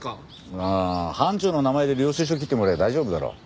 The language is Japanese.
ああ班長の名前で領収書切ってもらえば大丈夫だろ。